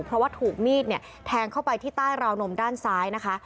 เพราะว่าถูกมีดเนี่ยแทงเข้าไปที่ใต้ราวนมด้านซ้ายนะคะ